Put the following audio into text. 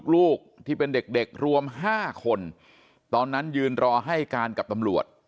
ลูกที่เป็นเด็กรวม๕คนตอนนั้นยืนรอให้การกับตำรวจ